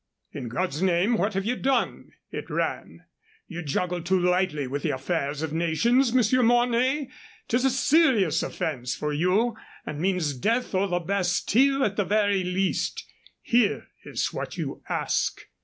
"In God's name, what have you done?" (it ran). "You juggle too lightly with the affairs of nations, Monsieur Mornay. 'Tis a serious offense for you, and means death, or the Bastile at the very least. Here is what you ask.